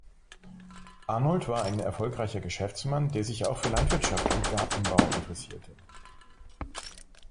Arnold war ein erfolgreicher Geschäftsmann, der sich auch für Landwirtschaft und Gartenbau interessierte.